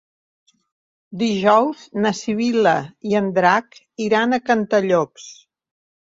Dijous na Sibil·la i en Drac iran a Cantallops.